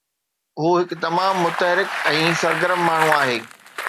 هو هڪ تمام متحرڪ ۽ سرگرم ماڻهو آهي.